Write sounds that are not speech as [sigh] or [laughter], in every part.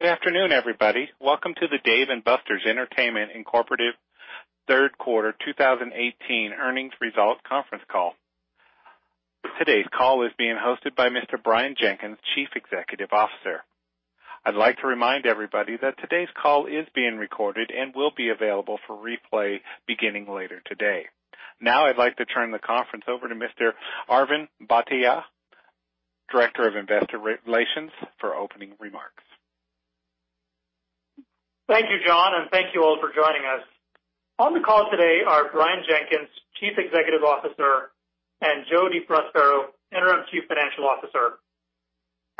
Good afternoon, everybody. Welcome to the Dave & Buster's Entertainment, Inc. third quarter 2018 Earnings Results Conference Call. Today's call is being hosted by Mr. Brian Jenkins, Chief Executive Officer. I'd like to remind everybody that today's call is being recorded and will be available for replay beginning later today. Now I'd like to turn the conference over to Mr. Arvind Bhatia, Director of Investor Relations, for opening remarks. Thank you, John, and thank you all for joining us. On the call today are Brian Jenkins, Chief Executive Officer, and Joe DiProspero, Interim Chief Financial Officer.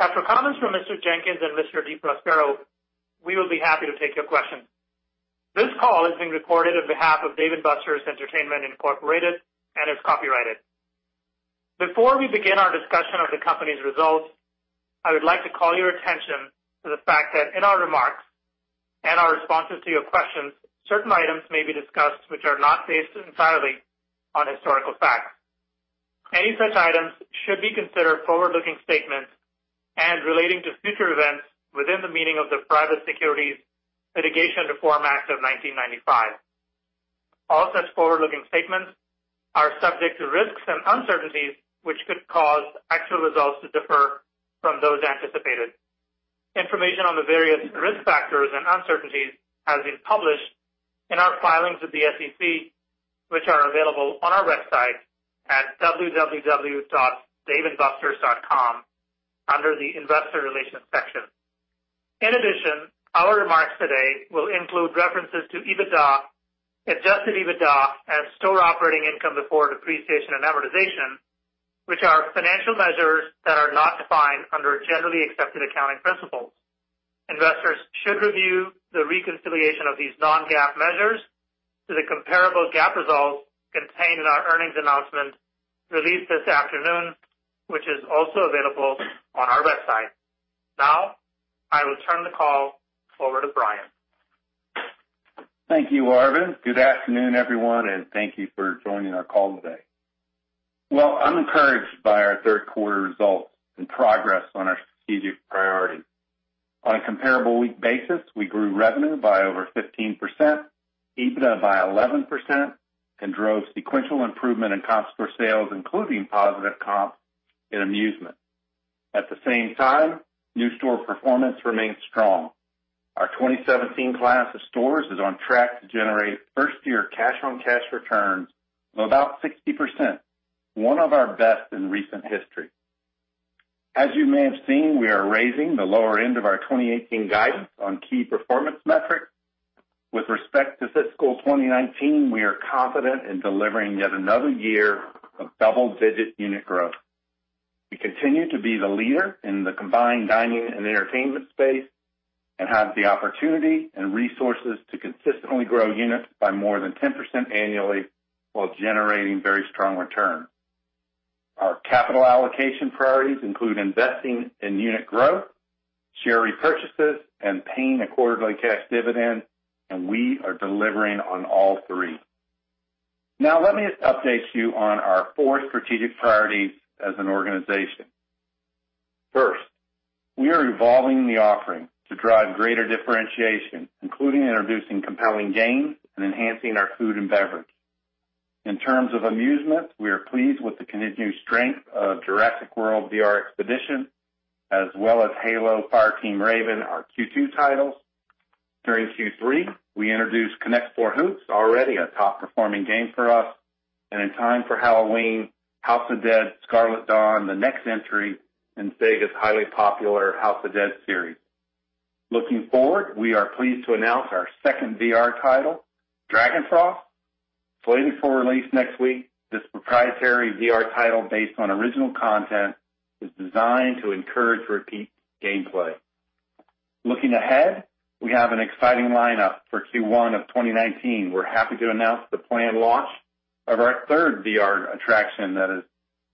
After comments from Mr. Jenkins and Mr. DiProspero, we will be happy to take your questions. This call is being recorded on behalf of Dave & Buster's Entertainment, Inc. and is copyrighted. Before we begin our discussion of the company's results, I would like to call your attention to the fact that in our remarks and our responses to your questions, certain items may be discussed which are not based entirely on historical facts. Any such items should be considered forward-looking statements and relating to future events within the meaning of the Private Securities Litigation Reform Act of 1995. All such forward-looking statements are subject to risks and uncertainties, which could cause actual results to differ from those anticipated. Information on the various risk factors and uncertainties has been published in our filings with the SEC, which are available on our website at www.daveandbusters.com under the Investor Relations section. In addition, our remarks today will include references to EBITDA, adjusted EBITDA, and store operating income before depreciation and amortization, which are financial measures that are not defined under generally accepted accounting principles. Investors should review the reconciliation of these non-GAAP measures to the comparable GAAP results contained in our earnings announcement released this afternoon, which is also available on our website. Now, I will turn the call over to Brian Jenkins. Thank you, Arvind. Good afternoon, everyone, and thank you for joining our call today. Well, I'm encouraged by our third quarter results and progress on our strategic priority. On a comparable week basis, we grew revenue by over 15%, EBITDA by 11%, and drove sequential improvement in comps for sales, including positive comps in amusement. At the same time, new store performance remains strong. Our 2017 class of stores is on track to generate first-year cash on cash returns of about 60%, one of our best in recent history. As you may have seen, we are raising the lower end of our 2018 guidance on key performance metrics. With respect to fiscal 2019, we are confident in delivering yet another year of double-digit unit growth. We continue to be the leader in the combined dining and entertainment space and have the opportunity and resources to consistently grow units by more than 10% annually while generating very strong return. Our capital allocation priorities include investing in unit growth, share repurchases, and paying a quarterly cash dividend, and we are delivering on all three. Now let me update you on our four strategic priorities as an organization. First, we are evolving the offering to drive greater differentiation, including introducing compelling games and enhancing our food and beverage. In terms of amusement, we are pleased with the continued strength of Jurassic World VR Expedition, as well as Halo: Fireteam Raven, our Q2 titles. During Q3, we introduced Connect 4 Hoops, already a top-performing game for us, and in time for Halloween, House of the Dead: Scarlet Dawn, the next entry in Sega's highly popular The House of the Dead series. Looking forward, we are pleased to announce our second virtual reality title, Dragonfrost. Slated for release next week, this proprietary VR title based on original content is designed to encourage repeat gameplay. Looking ahead, we have an exciting lineup for Q1 of 2019. We're happy to announce the planned launch of our third VR attraction that is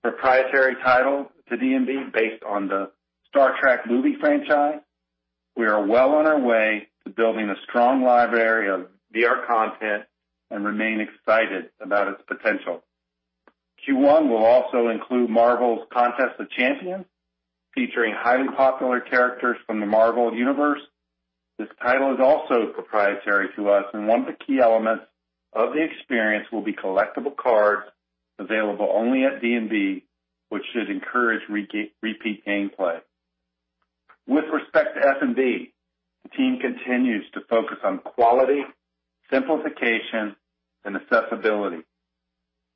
a proprietary title to Dave & Buster's based on the Star Trek movie franchise. We are well on our way to building a strong library of VR content and remain excited about its potential. Q1 will also include Marvel: Contest of Champions, featuring highly popular characters from the Marvel universe. This title is also proprietary to us, and one of the key elements of the experience will be collectible cards available only at D&B, which should encourage repeat gameplay. With respect to food and beverage, the team continues to focus on quality, simplification, and accessibility.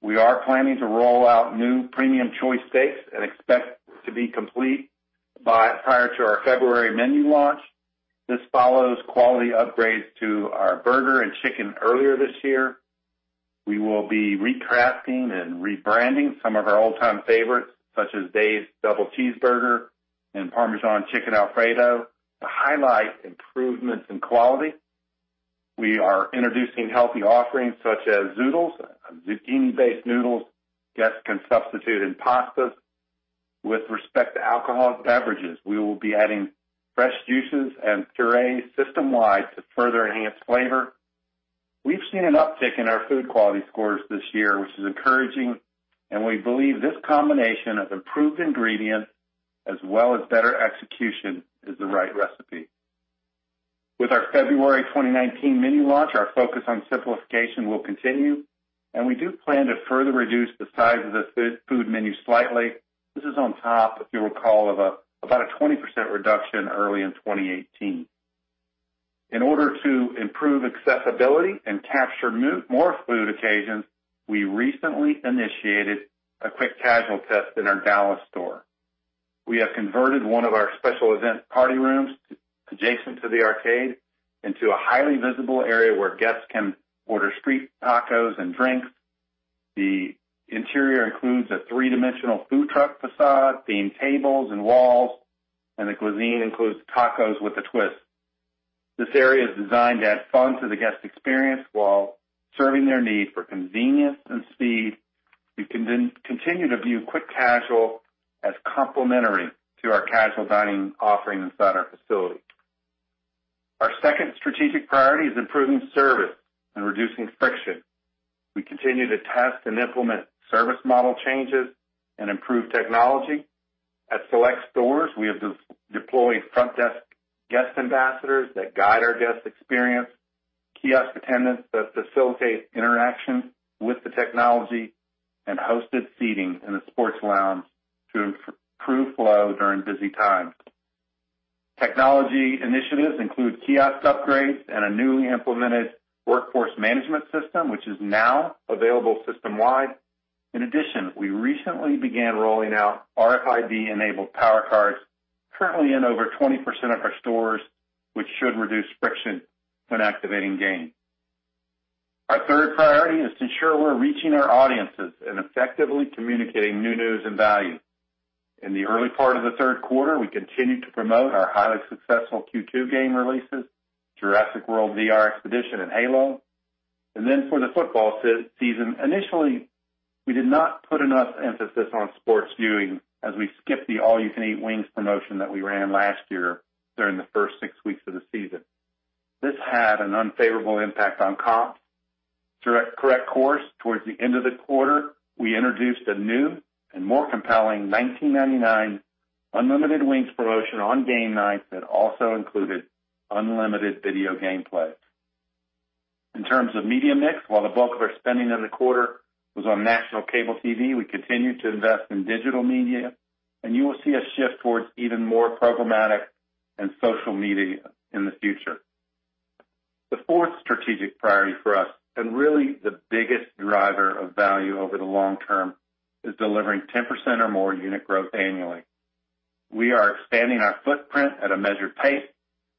We are planning to roll out new premium choice steaks and expect to be complete prior to our February menu launch. This follows quality upgrades to our burger and chicken earlier this year. We will be recrafting and rebranding some of our all-time favorites, such as Dave's Double Cheeseburger and Parmesan Chicken Alfredo, to highlight improvements in quality. We are introducing healthy offerings such as zoodles, zucchini-based noodles guests can substitute in pastas. With respect to alcoholic beverages, we will be adding fresh juices and purees system-wide to further enhance flavor. We've seen an uptick in our food quality scores this year, which is encouraging, and we believe this combination of improved ingredient as well as better execution is the right recipe. With our February 2019 mini launch, our focus on simplification will continue, and we do plan to further reduce the size of the food menu slightly. This is on top, if you'll recall, of about a 20% reduction early in 2018. In order to improve accessibility and capture more food occasions, we recently initiated a quick casual test in our Dallas store. We have converted one of our special event party rooms adjacent to the arcade into a highly visible area where guests can order street tacos and drinks. The interior includes a three-dimensional food truck facade, themed tables and walls, and the cuisine includes tacos with a twist. This area is designed to add fun to the guest experience while serving their need for convenience and speed. We continue to view quick casual as complementary to our casual dining offering inside our facility. Our second strategic priority is improving service and reducing friction. We continue to test and implement service model changes and improve technology. At select stores, we have deployed front desk guest ambassadors that guide our guest experience, kiosk attendants that facilitate interaction with the technology, and hosted seating in the sports lounge to improve flow during busy times. Technology initiatives include kiosk upgrades and a newly implemented workforce management system, which is now available system-wide. Additionally, we recently began rolling out radio-frequency identification-enabled Power Cards currently in over 20% of our stores, which should reduce friction when activating games. Our third priority is to ensure we're reaching our audiences and effectively communicating new news and value. In the early part of the third quarter, we continued to promote our highly successful Q2 game releases, Jurassic World VR Expedition and Halo. For the football season, initially, we did not put enough emphasis on sports viewing as we skipped the All-You-Can-Eat Wings promotion that we ran last year during the first six weeks of the season. This had an unfavorable impact on comp. To correct course, towards the end of the quarter, we introduced a new and more compelling $19.99 unlimited wings promotion on game nights that also included unlimited video game play. In terms of media mix, while the bulk of our spending in the quarter was on national cable TV, we continued to invest in digital media, You will see a shift towards even more programmatic and social media in the future. The fourth strategic priority for us, and really the biggest driver of value over the long term, is delivering 10% or more unit growth annually. We are expanding our footprint at a measured pace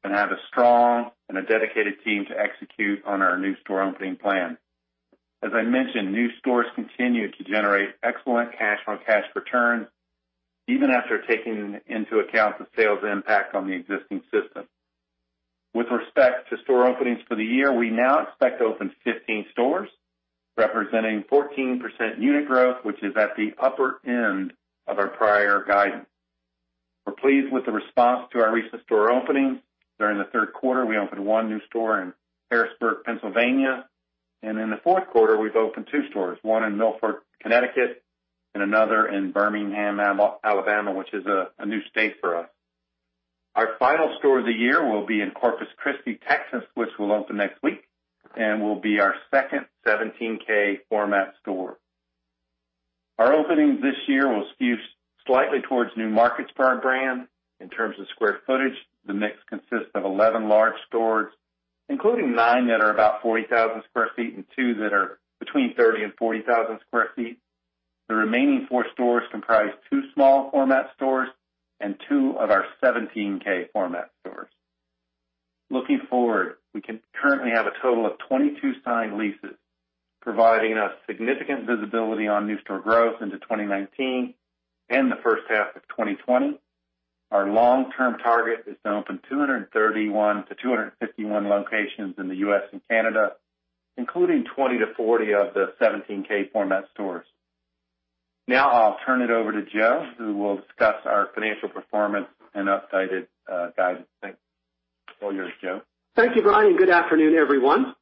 and have a strong and a dedicated team to execute on our new store opening plan. As I mentioned, new stores continue to generate excellent cash on cash returns even after taking into account the sales impact on the existing system. With respect to store openings for the year, we now expect to open 15 stores, representing 14% unit growth, which is at the upper end of our prior guidance. We're pleased with the response to our recent store openings. During the third quarter, we opened one new store in Harrisburg, Pennsylvania, and in the fourth quarter, we've opened two stores, one in Milford, Connecticut, and another in Birmingham, Alabama, which is a new state for us. Our final store of the year will be in Corpus Christi, Texas, which will open next week and will be our second 17K format store. Our openings this year will skew slightly towards new markets for our brand. In terms of square footage, the mix consists of 11 large stores, including nine that are about 40,000 sq ft and two that are between 30,000 sq ft and 40,000 sq ft. The remaining four stores comprise two small format stores and two of our 17K format stores. Looking forward, we currently have a total of 22 signed leases, providing us significant visibility on new store growth into 2019 and the first half of 2020. Our long-term target is to open 231-251 locations in the U.S. and Canada, including 20-40 of the 17K format stores. Now I'll turn it over to Joe DiProspero, who will discuss our financial performance and updated guidance. Thanks. All yours, Joe. Thank you, Brian, good afternoon, everyone.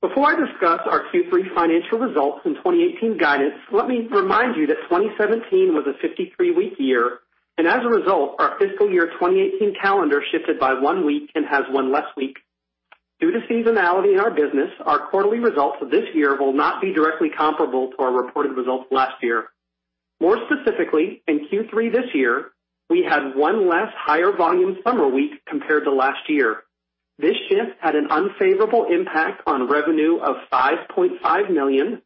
Before I discuss our Q3 financial results and 2018 guidance, let me remind you that 2017 was a 53-week year, and as a result, our fiscal year 2018 calendar shifted by one week and has one less week. Due to seasonality in our business, our quarterly results for this year will not be directly comparable to our reported results last year. More specifically, in Q3 this year, we had one less higher volume summer week compared to last year. This shift had an unfavorable impact on revenue of $5.5 million,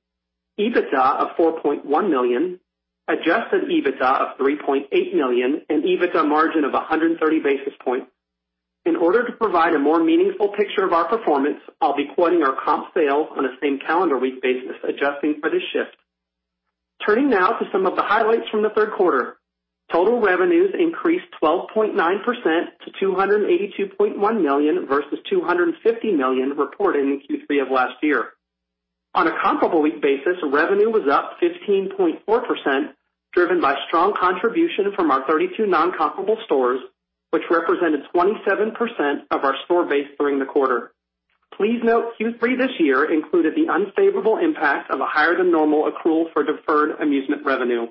EBITDA of $4.1 million, adjusted EBITDA of $3.8 million, and EBITDA margin of 130 basis points. In order to provide a more meaningful picture of our performance, I'll be quoting our comp sales on a same calendar week basis, adjusting for this shift. Turning now to some of the highlights from the third quarter. Total revenues increased 12.9% to $282.1 million versus $250 million reported in Q3 of last year. On a comparable week basis, revenue was up 15.4%, driven by strong contribution from our 32 non-comparable stores, which represented 27% of our store base during the quarter. Please note Q3 this year included the unfavorable impact of a higher than normal accrual for deferred amusement revenue.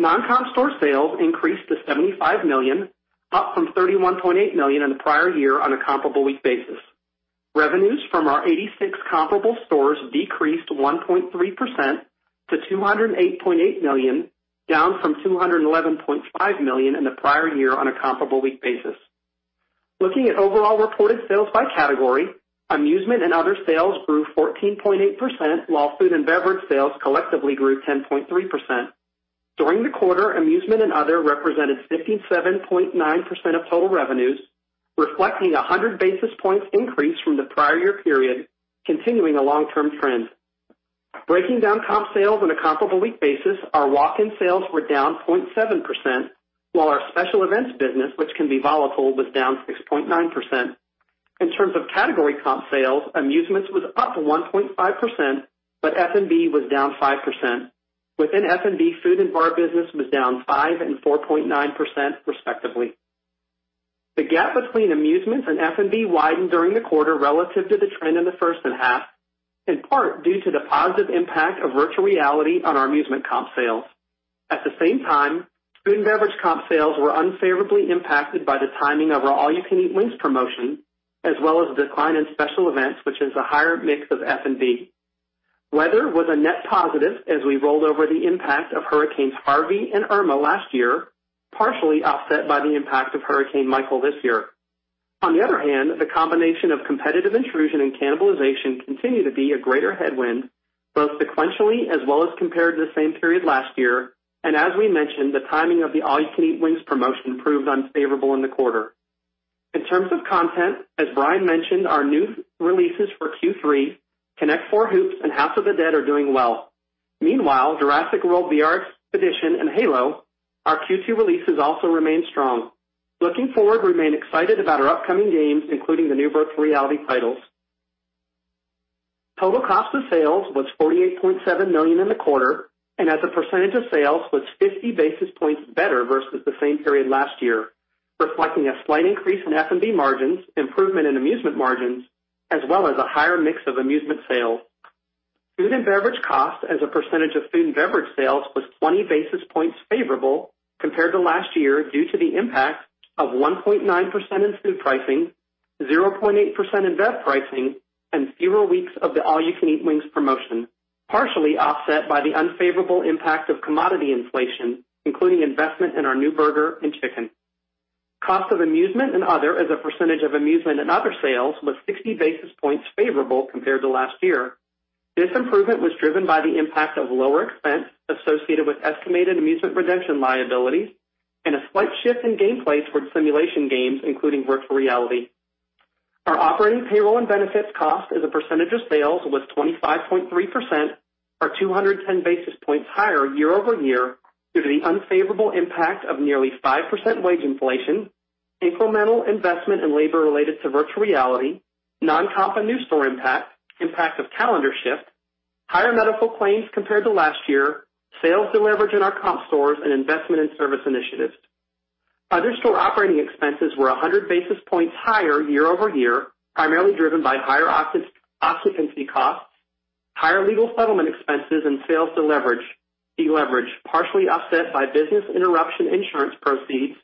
Non-comp store sales increased to $75 million, up from $31.8 million in the prior year on a comparable week basis. Revenues from our 86 comparable stores decreased 1.3% to $208.8 million, down from $211.5 million in the prior year on a comparable week basis. Looking at overall reported sales by category, amusement and other sales grew 14.8%, while food and beverage sales collectively grew 10.3%. During the quarter, amusement and other represented 57.9% of total revenues, reflecting 100 basis points increase from the prior year period, continuing a long-term trend. Breaking down comp sales on a comparable week basis, our walk-in sales were down 0.7%, while our special events business, which can be volatile, was down 6.9%. In terms of category comp sales, amusements was up 1.5%, but F&B was down 5%. Within F&B, food and bar business was down 5% and 4.9% respectively. The gap between amusements and F&B widened during the quarter relative to the trend in the first half, in part due to the positive impact of virtual reality on our amusement comp sales. At the same time, food and beverage comp sales were unfavorably impacted by the timing of our All You Can Eat Wings promotion, as well as the decline in special events, which is a higher mix of F&B. Weather was a net positive as we rolled over the impact of Hurricane Harvey and Hurricane Irma last year, partially offset by the impact of Hurricane Michael this year. On the other hand, the combination of competitive intrusion and cannibalization continue to be a greater headwind, both sequentially as well as compared to the same period last year. As we mentioned, the timing of the All You Can Eat Wings promotion proved unfavorable in the quarter. In terms of content, as Brian mentioned, our new releases for Q3, Connect 4 Hoops and House of the Dead, are doing well. Meanwhile, Jurassic World VR Expedition and Halo, our Q2 releases, also remain strong. Looking forward, we remain excited about our upcoming games, including the new virtual reality titles. Total cost of sales was $48.7 million in the quarter, and as a percentage of sales, was 50 basis points better versus the same period last year, reflecting a slight increase in F&B margins, improvement in amusement margins, as well as a higher mix of amusement sales. Food and beverage cost as a percentage of food and beverage sales was 20 basis points favorable compared to last year, due to the impact of 1.9% in food pricing, 0.8% in bev pricing, and fewer weeks of the All You Can Eat Wings promotion, partially offset by the unfavorable impact of commodity inflation, including investment in our new burger and chicken. Cost of amusement and other as a percentage of amusement and other sales was 60 basis points favorable compared to last year. This improvement was driven by the impact of lower expense associated with estimated amusement redemption liability and a slight shift in game play towards simulation games, including virtual reality. Our operating payroll and benefits cost as a percentage of sales was 25.3%, or 210 basis points higher year-over-year due to the unfavorable impact of nearly 5% wage inflation, incremental investment in labor related to virtual reality, non-comp and new store impact of calendar shift, higher medical claims compared to last year, sales deleverage in our comp stores, and investment in service initiatives. Other store operating expenses were 100 basis points higher year-over-year, primarily driven by higher occupancy costs, higher legal settlement expenses, and sales deleverage, partially offset by business interruption insurance proceeds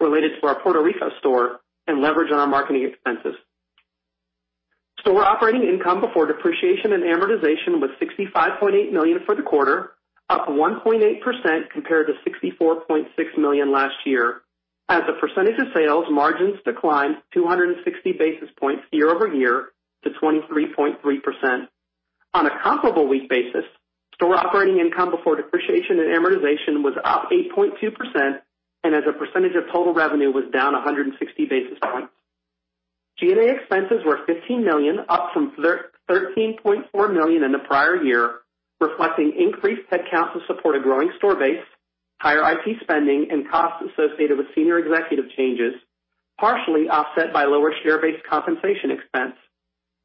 related to our Puerto Rico store and leverage on our marketing expenses. Store operating income before depreciation and amortization was $65.8 million for the quarter, up 1.8% compared to $64.6 million last year. As a percentage of sales, margins declined 260 basis points year-over-year to 23.3%. On a comparable week basis, store operating income before depreciation and amortization was up 8.2%, and as a percentage of total revenue, was down 160 basis points. G&A expenses were $15 million, up from $13.4 million in the prior year, reflecting increased head counts to support a growing store base, higher IT spending and costs associated with senior executive changes, partially offset by lower share-based compensation expense.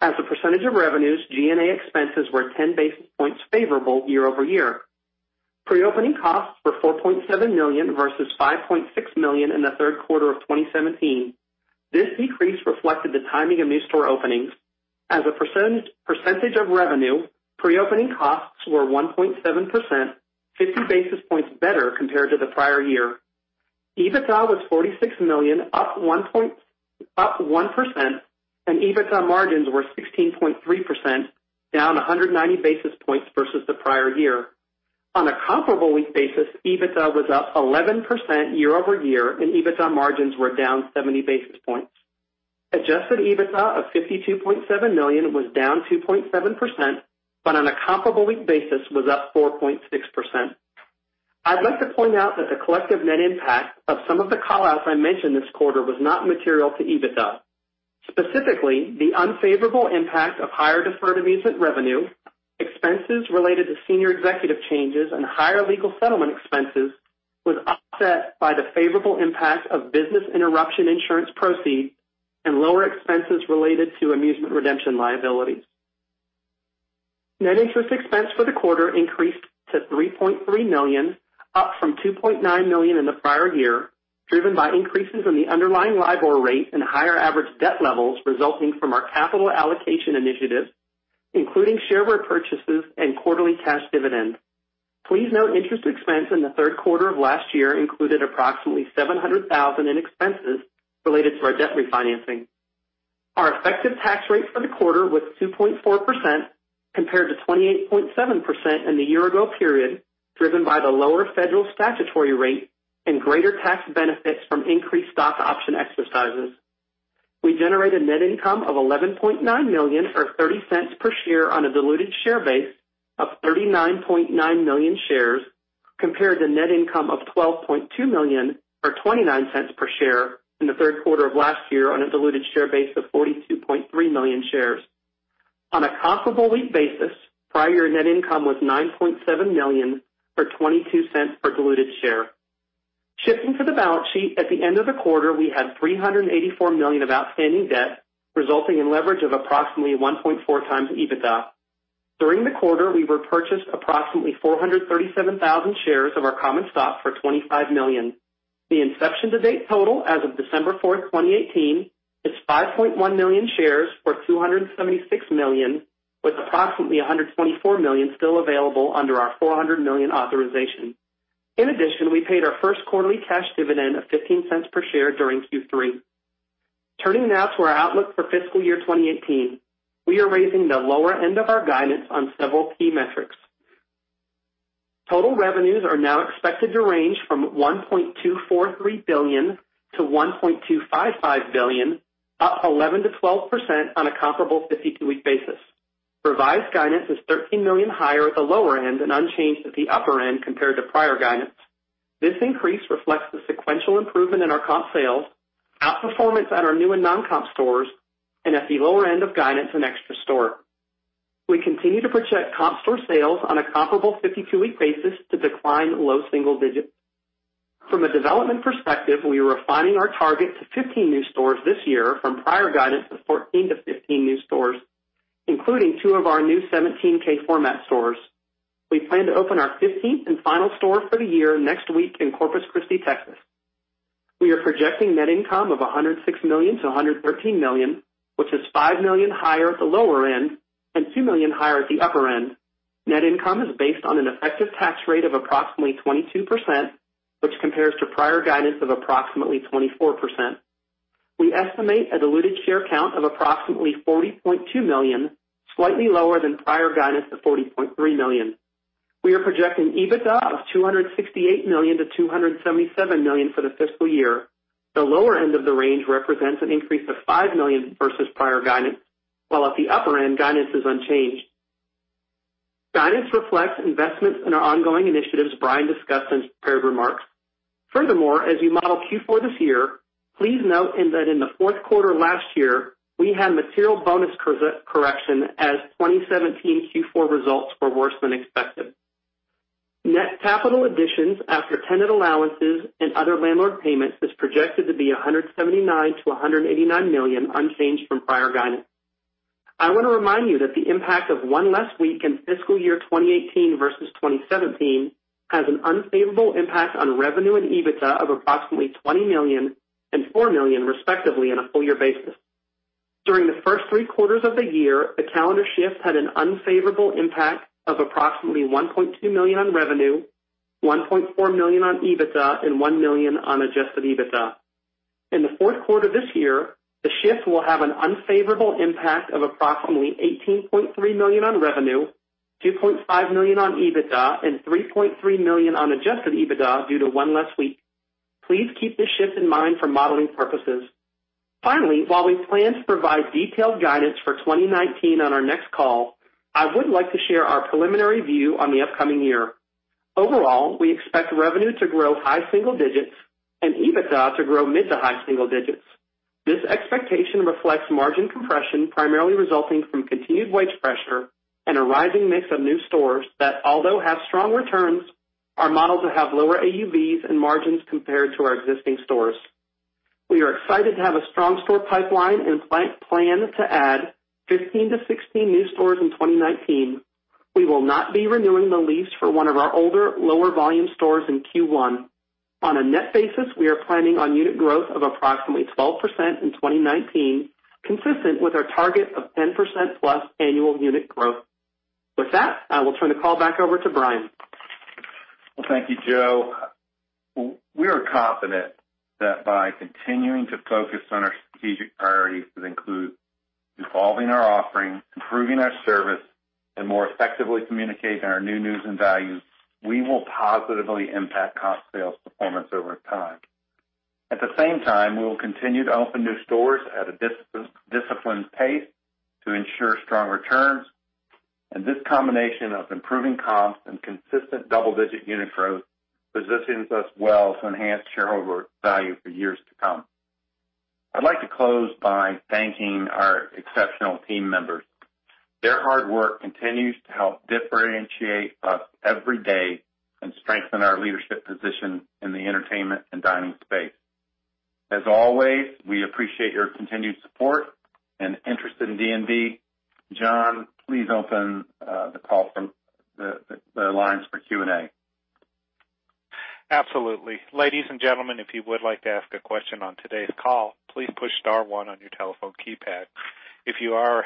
As a percentage of revenues, G&A expenses were 10 basis points favorable year-over-year. Pre-opening costs were $4.7 million versus $5.6 million in the third quarter of 2017. This decrease reflected the timing of new store openings. As a percentage of revenue, pre-opening costs were 1.7%, 50 basis points better compared to the prior year. EBITDA was $46 million, up 1%, and EBITDA margins were 16.3%, down 190 basis points versus the prior year. On a comparable week basis, EBITDA was up 11% year-over-year and EBITDA margins were down 70 basis points. Adjusted EBITDA of $52.7 million was down 2.7%, but on a comparable week basis was up 4.6%. I'd like to point out that the collective net impact of some of the call-outs I mentioned this quarter was not material to EBITDA. Specifically, the unfavorable impact of higher deferred amusement revenue, expenses related to senior executive changes, and higher legal settlement expenses was offset by the favorable impact of business interruption insurance proceeds and lower expenses related to amusement redemption liabilities. Net interest expense for the quarter increased to $3.3 million, up from $2.9 million in the prior year, driven by increases in the underlying LIBOR rate and higher average debt levels resulting from our capital allocation initiative, including share repurchases and quarterly cash dividends. Please note, interest expense in the third quarter of last year included approximately $700,000 in expenses related to our debt refinancing. Our effective tax rate for the quarter was 2.4%, compared to 28.7% in the year ago period, driven by the lower federal statutory rate and greater tax benefits from increased stock option exercises. We generated net income of $11.9 million or $0.30 per share on a diluted share base of 39.9 million shares, compared to net income of $12.2 million or $0.29 per share in the third quarter of last year on a diluted share base of 42.3 million shares. On a comparable week basis, prior year net income was $9.7 million or $0.22 per diluted share. Shifting to the balance sheet, at the end of the quarter, we had $384 million of outstanding debt, resulting in leverage of approximately 1.4x EBITDA. During the quarter, we repurchased approximately 437,000 shares of our common stock for $25 million. The inception to date total as of December 4th, 2018 is 5.1 million shares for $276 million, with approximately $124 million still available under our $400 million authorization. In addition, we paid our first quarterly cash dividend of $0.15 per share during Q3. Turning now to our outlook for fiscal year 2018. We are raising the lower end of our guidance on several key metrics. Total revenues are now expected to range from $1.243 billion to $1.255 billion, up 11%-12% on a comparable 52-week basis. Revised guidance is $13 million higher at the lower end and unchanged at the upper end compared to prior guidance. This increase reflects the sequential improvement in our comp sales, outperformance at our new and non-comp stores, and at the lower end of guidance in extra store. We continue to project comp store sales on a comparable 52-week basis to decline low single digits. From a development perspective, we are refining our target to 15 new stores this year from prior guidance of 14-15 new stores, including two of our new 17K format stores. We plan to open our 15th and final store for the year next week in Corpus Christi, Texas. We are projecting net income of $106 million-$113 million, which is $5 million higher at the lower end and $2 million higher at the upper end. Net income is based on an effective tax rate of approximately 22%, which compares to prior guidance of approximately 24%. We estimate a diluted share count of approximately 40.2 million, slightly lower than prior guidance of 40.3 million. We are projecting EBITDA of $268 million-$277 million for the fiscal year. The lower end of the range represents an increase of $5 million versus prior guidance, while at the upper end, guidance is unchanged. Guidance reflects investments in our ongoing initiatives Brian discussed in his prepared remarks. Furthermore, as we model Q4 this year, please note that in the fourth quarter last year, we had material bonus correction as 2017 Q4 results were worse than expected. Net capital additions after tenant allowances and other landlord payments is projected to be $179 million-$189 million, unchanged from prior guidance. I want to remind you that the impact of one less week in fiscal year 2018 versus 2017 has an unfavorable impact on revenue and EBITDA of approximately $20 million and $4 million, respectively, on a full year basis. During the first three quarters of the year, the calendar shift had an unfavorable impact of approximately $1.2 million on revenue, $1.4 million on EBITDA, and $1 million on adjusted EBITDA. In the fourth quarter this year, the shift will have an unfavorable impact of approximately $18.3 million on revenue, $2.5 million on EBITDA, and $3.3 million on adjusted EBITDA due to one less week. Please keep this shift in mind for modeling purposes. Finally, while we plan to provide detailed guidance for 2019 on our next call, I would like to share our preliminary view on the upcoming year. Overall, we expect revenue to grow high single digits and EBITDA to grow mid to high single digits. This expectation reflects margin compression primarily resulting from continued wage pressure and a rising mix of new stores that although have strong returns, are modeled to have lower average unit volumes and margins compared to our existing stores. We are excited to have a strong store pipeline and plan to add 15 to 16 new stores in 2019. We will not be renewing the lease for one of our older, lower volume stores in Q1. On a net basis, we are planning on unit growth of approximately 12% in 2019, consistent with our target of 10% plus annual unit growth. With that, I will turn the call back over to Brian. Well, thank you, Joe. We are confident that by continuing to focus on our strategic priorities that include evolving our offering, improving our service, and more effectively communicating our new news and values, we will positively impact comp sales performance over time. At the same time, we will continue to open new stores at a disciplined pace to ensure strong returns, and this combination of improving comps and consistent double-digit unit growth positions us well to enhance shareholder value for years to come. I'd like to close by thanking our exceptional team members. Their hard work continues to help differentiate us every day and strengthen our leadership position in the entertainment and dining space. As always, we appreciate your continued support and interest in D&B. John, please open the lines for Q&A. Absolutely. Ladies and gentlemen, if you would like to ask a question on today's call, please push star one on your telephone keypad. If you are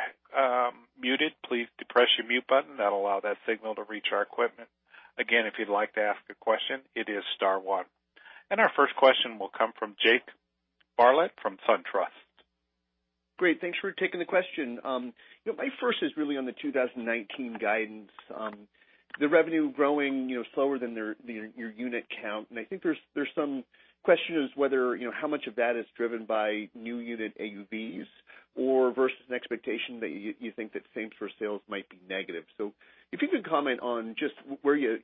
muted, please depress your mute button. That'll allow that signal to reach our equipment. Again, if you'd like to ask a question, it is star one. Our first question will come from Jake Bartlett from SunTrust Robinson Humphrey. Great. Thanks for taking the question. My first is really on the 2019 guidance, the revenue growing slower than your unit count, and I think there's some questions whether how much of that is driven by new unit AUVs or versus an expectation that you think that same-store sales might be negative. If you could comment on just where you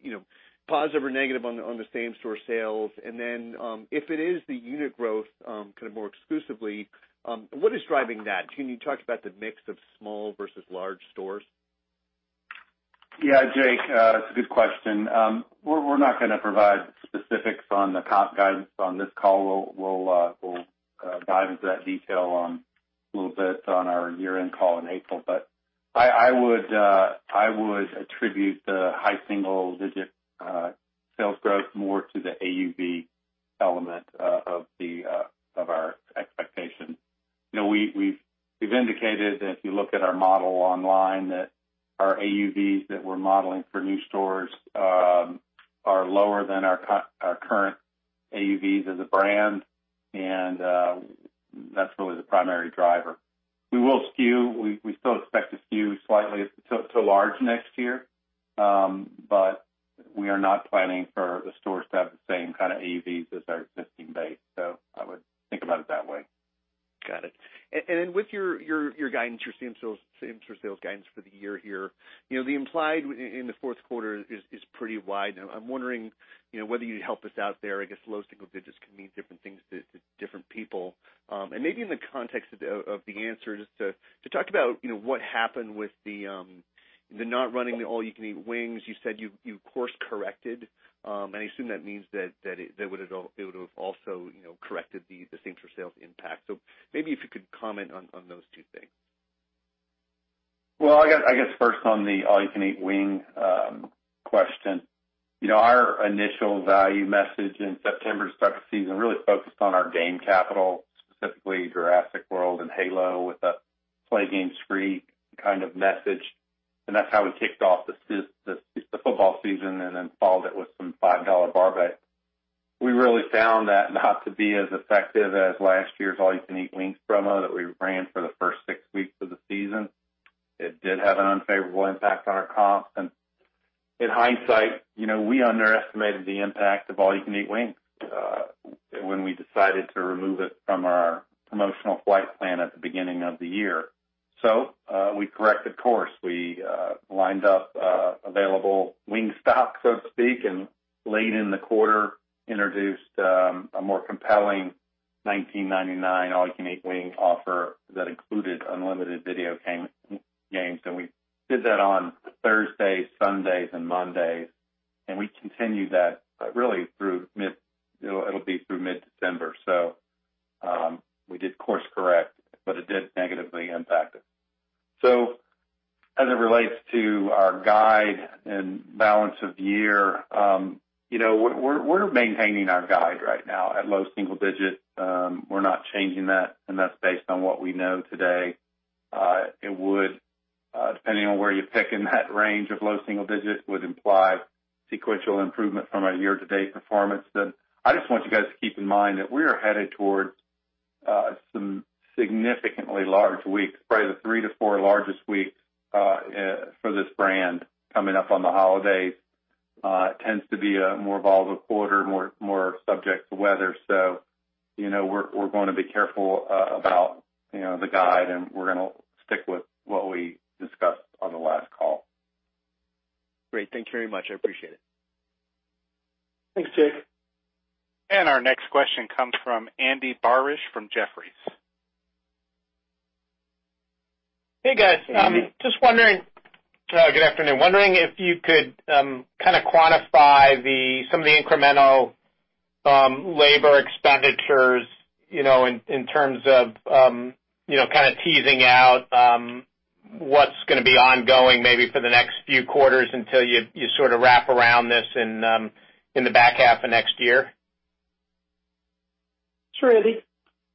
positive or negative on the same-store sales, and then, if it is the unit growth kind of more exclusively, what is driving that? Can you talk about the mix of small versus large stores? Yeah. Jake, it's a good question. We're not going to provide specifics on the comp guidance on this call. We'll dive into that detail on a little bit on our year-end call in April. I would attribute the high single-digit sales growth more to the AUV element of our expectation. We've indicated, if you look at our model online, that our AUVs that we're modeling for new stores are lower than our current AUVs as a brand. That's really the primary driver. We will skew. We still expect to skew slightly to large next year. We are not planning for the stores to have the same kind of AUVs as our existing base. I would think about it that way. Got it. With your guidance, your same-store sales guidance for the year here, the implied in the fourth quarter is pretty wide. I'm wondering whether you'd help us out there. I guess low single digits can mean different things to different people. Maybe in the context of the answer, just to talk about what happened with the not running the All-You-Can-Eat Wings. You said you course corrected. I assume that means that it would've also corrected the same-store sales impact. Maybe if you could comment on those two things. Well, I guess first on the All-You-Can-Eat Wings question. Our initial value message in September to start the season really focused on our game capital, specifically Jurassic World and Halo, with a play game spree kind of message. That's how we kicked off the football season then followed it with some $5 barbecue. We really found that not to be as effective as last year's All-You-Can-Eat Wings promo that we ran for the first six weeks of the season. It did have an unfavorable impact on our comps. In hindsight, we underestimated the impact of All-You-Can-Eat Wings when we decided to remove it from our promotional flight plan at the beginning of the year. We corrected course. We lined up available wing stock, so to speak, late in the quarter introduced a more compelling $19.99 All-You-Can-Eat Wings offer that included unlimited video games. We did that on Thursdays, Sundays, and Mondays, and we continued that really through it'll be through mid-December. We did course correct, but it did negatively impact us. As it relates to our guide and balance of the year, we're maintaining our guide right now at low single digits. We're not changing that, and that's based on what we know today. It would, depending on where you pick in that range of low single digits, would imply sequential improvement from our year-to-date performance. I just want you guys to keep in mind that we are headed towards some significantly large weeks, probably the three to four largest weeks for this brand coming up on the holidays. It tends to be a more volatile quarter, more subject to weather. We're going to be careful about the guide, and we're going to stick with what we discussed on the last call. Great. Thank you very much. I appreciate it. Thanks, Jake. Our next question comes from Andy Barish from Jefferies. Hey, guys. Hey, Andy. Good afternoon. Wondering if you could kind of quantify some of the incremental labor expenditures in terms of kind of teasing out what's going to be ongoing maybe for the next few quarters until you sort of wrap around this in the back half of next year. Sure, Andy.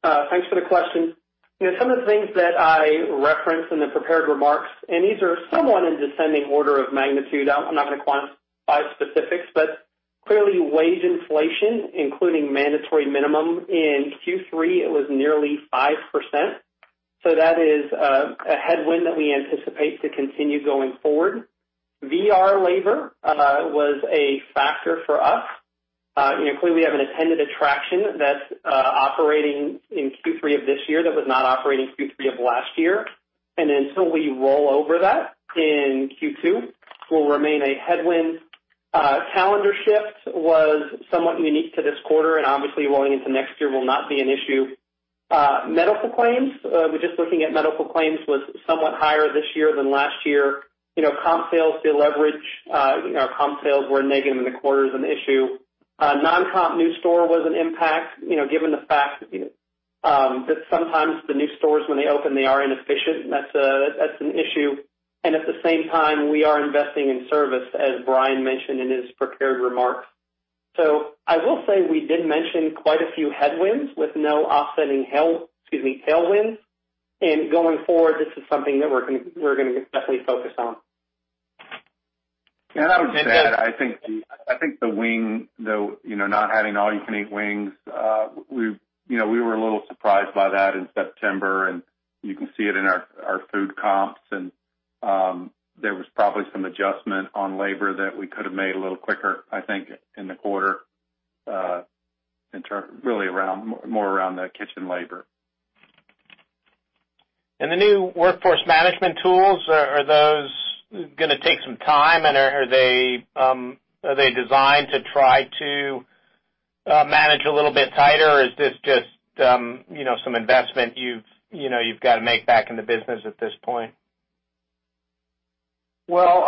Thanks for the question. Some of the things that I referenced in the prepared remarks. These are somewhat in descending order of magnitude. I'm not going to quantify specifics, clearly wage inflation, including mandatory minimum in Q3, it was nearly 5%. That is a headwind that we anticipate to continue going forward. VR labor was a factor for us. Clearly, we have an attended attraction that's operating in Q3 of this year that was not operating Q3 of last year. Until we roll over that in Q2, will remain a headwind. Calendar shift was somewhat unique to this quarter, obviously rolling into next year will not be an issue. Medical claims. We're just looking at medical claims was somewhat higher this year than last year. Comp sales de-leverage. Our comp sales were negative in the quarter as an issue. Non-comp new store was an impact, given the fact that sometimes the new stores, when they open, they are inefficient, and that's an issue. At the same time, we are investing in service, as Brian mentioned in his prepared remarks. I will say we did mention quite a few headwinds with no offsetting hell, excuse me, tailwinds. Going forward, this is something that we're going to definitely focus on. I would add, I think the wing though, not having All-You-Can-Eat Wings, we were a little surprised by that in September, and you can see it in our food comps and there was probably some adjustment on labor that we could have made a little quicker, I think, in the quarter, really more around the kitchen labor. The new workforce management tools, are those gonna take some time and are they designed to try to manage a little bit tighter, or is this just some investment you've got to make back in the business at this point? Well,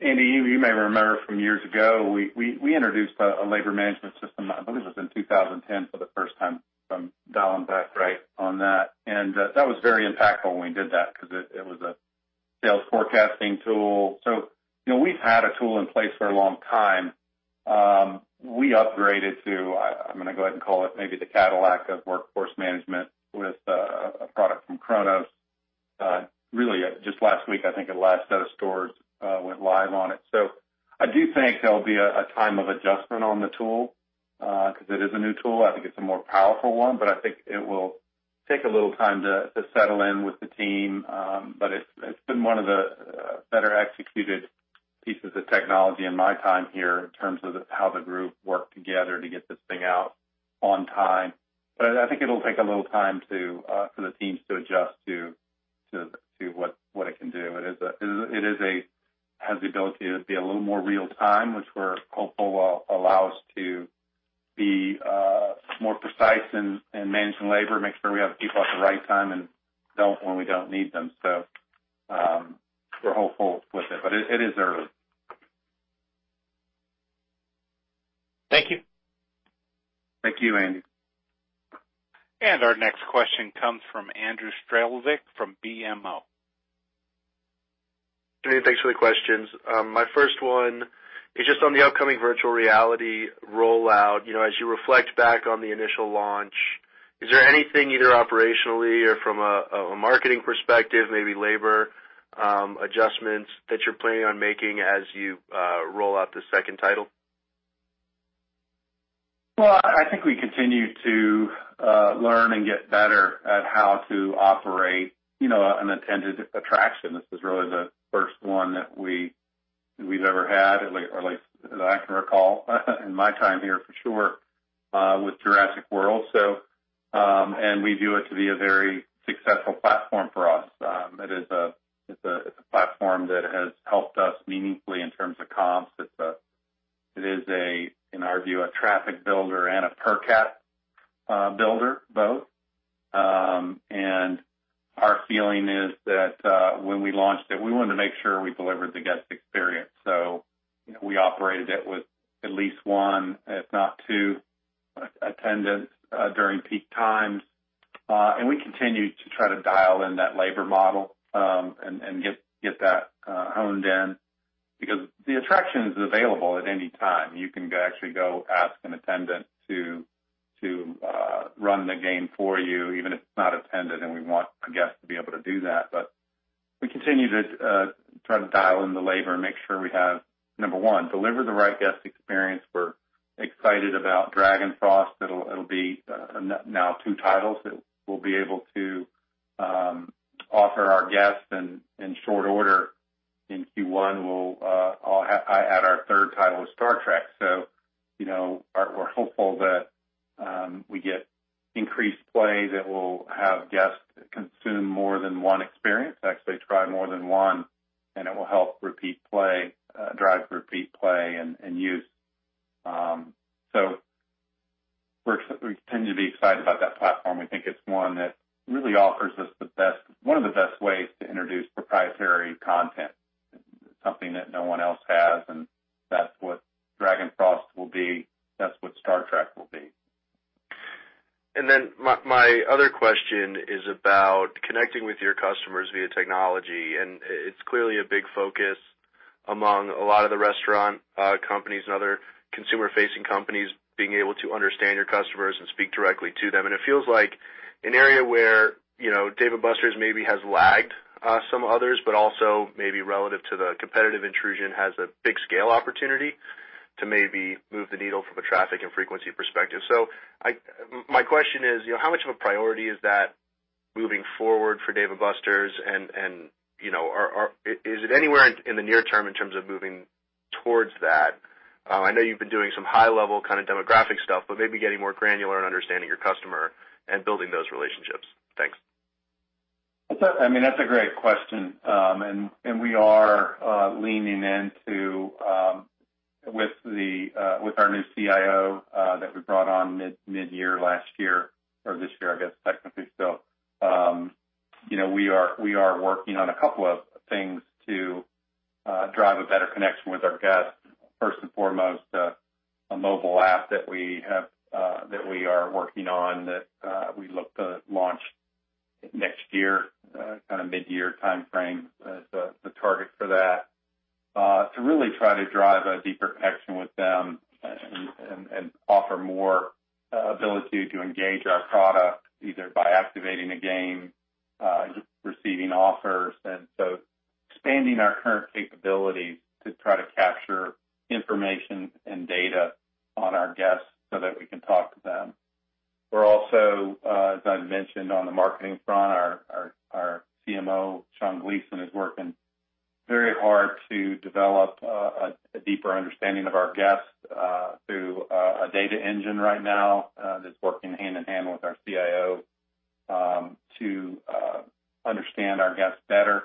Andy, you may remember from years ago, we introduced a labor management system, I believe it was in 2010 for the first time, from dial and back on that. That was very impactful when we did that because it was a sales forecasting tool. We've had a tool in place for a long time. We upgraded to, I'm gonna go ahead and call it maybe the Cadillac of workforce management with a product from Kronos. Really just last week, I think the last set of stores went live on it. I do think there'll be a time of adjustment on the tool, because it is a new tool. I think it's a more powerful one, but I think it will take a little time to settle in with the team. It's been one of the better executed pieces of technology in my time here in terms of how the group worked together to get this thing out on time. I think it'll take a little time for the teams to adjust to what it can do. It has the ability to be a little more real time, which we're hopeful will allow us to be more precise in managing labor, make sure we have people at the right time and don't when we don't need them. We're hopeful with it, but it is early. Thank you. Thank you, Andy. Our next question comes from Andrew Strelzik from BMO Capital Markets. Thanks for the questions. My first one is just on the upcoming virtual reality rollout. As you reflect back on the initial launch, is there anything either operationally or from a marketing perspective, maybe labor adjustments that you're planning on making as you roll out the second title? I think we continue to learn and get better at how to operate an attended attraction. This is really the first one that we've ever had, or at least that I can recall in my time here for sure, with Jurassic World. We view it to be a very successful platform for us. It's a platform that has helped us meaningfully in terms of comps. It is, in our view, a traffic builder and a per cap builder, both. Our feeling is that when we launched it, we wanted to make sure we delivered the guest experience. So we operated it with at least one, if not two, attendants during peak times. We continue to try to dial in that labor model, and get that honed in because the attraction is available at any time. You can actually go ask an attendant to run the game for you, even if it's not attended, we want a guest to be able to do that. We continue to try to dial in the labor and make sure we have, number one, deliver the right guest experience. We're excited about Dragonfrost. It'll be now two titles that we'll be able to offer our guests in short order. In Q1, I had our third title of Star Trek. We're hopeful that we get increased play that will have guests consume more than one experience, actually try more than one. It will help drive repeat play and use. We continue to be excited about that platform. We think it's one that really offers us one of the best ways to introduce proprietary content. Something that no one else has, that's what Dragonfrost will be. That's what Star Trek will be. My other question is about connecting with your customers via technology, it's clearly a big focus among a lot of the restaurant companies and other consumer-facing companies, being able to understand your customers and speak directly to them. It feels like an area where Dave & Buster's maybe has lagged some others, but also maybe relative to the competitive intrusion, has a big scale opportunity to maybe move the needle from a traffic and frequency perspective. My question is, how much of a priority is that moving forward for Dave & Buster's? Is it anywhere in the near term in terms of moving towards that? I know you've been doing some high-level kind of demographic stuff, but maybe getting more granular and understanding your customer and building those relationships. Thanks. That's a great question. We are leaning in with our new CIO that we brought on mid-year last year or this year, I guess, technically still. We are working on a couple of things to drive a better connection with our guests. First and foremost, a mobile app that we are working on that we look to launch next year, mid-year timeframe is the target for that, to really try to drive a deeper connection with them and offer more ability to engage our product, either by activating a game, receiving offers. Expanding our current capabilities to try to capture information and data on our guests so that we can talk to them. We're also, as I mentioned, on the marketing front, our CMO, Sean Gleason, is working very hard to develop a deeper understanding of our guests through a data engine right now that's working hand in hand with our CIO to understand our guests better.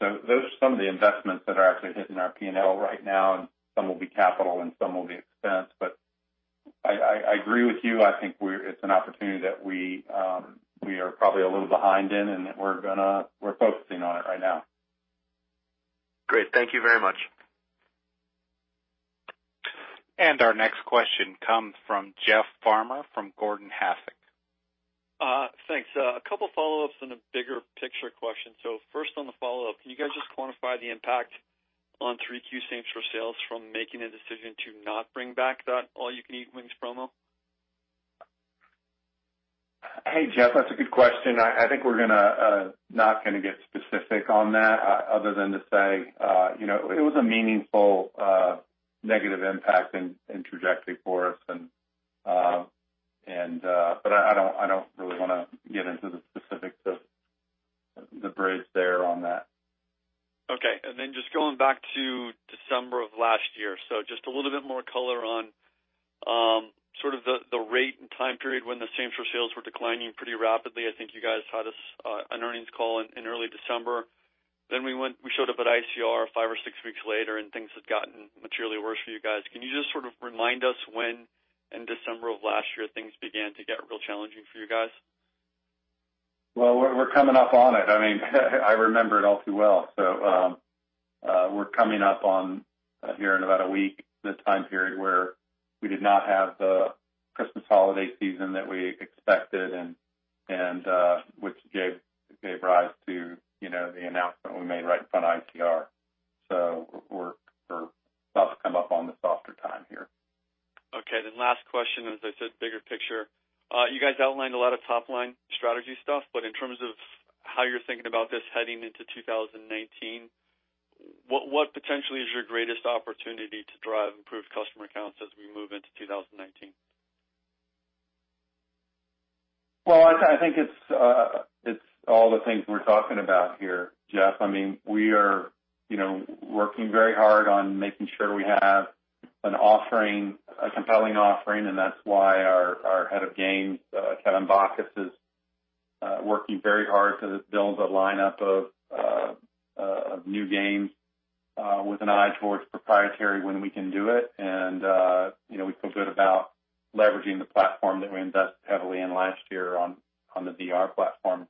Those are some of the investments that are actually hitting our P&L right now, and some will be capital and some will be expense. I agree with you. I think it's an opportunity that we are probably a little behind in and that we're focusing on it right now. Great. Thank you very much. Our next question comes from Jeff Farmer from Gordon Haskett Research Advisors. Thanks. A couple follow-ups and a bigger picture question. First on the follow-up, can you guys just quantify the impact on 3Q same-store sales from making a decision to not bring back that All-You-Can-Eat Wings promo? Hey, Jeff, that's a good question. I think we're not going to get specific on that other than to say it was a meaningful negative impact and trajectory for us. I don't really want to get into the specifics of the bridge there on that. Okay. Just going back to December of last year, just a little bit more color on the rate and time period when the same-store sales were declining pretty rapidly. I think you guys had an earnings call in early December. We showed up at Integrated Corporate Relations five or six weeks later and things had gotten materially worse for you guys. Can you just remind us when in December of last year things began to get real challenging for you guys? Well, we're coming up on it. I remember it all too well. We're coming up on, here in about a week, the time period where we did not have the Christmas holiday season that we expected, and which gave rise to the announcement we made right in front of ICR. We're about to come up on the softer time here. Okay. Last question, as I said, bigger picture. You guys outlined a lot of top-line strategy stuff, in terms of how you're thinking about this heading into 2019, what potentially is your greatest opportunity to drive improved customer counts as we move into 2019? Well, I think it's all the things we're talking about here, Jeff. We are working very hard on making sure we have a compelling offering, and that's why our head of games, Kevin Bachus, is working very hard to build a lineup of new games with an eye towards proprietary when we can do it. We feel good about leveraging the platform that we invested heavily in last year on the VR platform